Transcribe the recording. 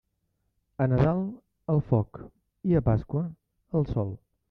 A Nadal, al foc, i a Pasqua, al sol.